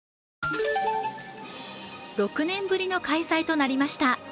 ６年ぶりの開催となりました。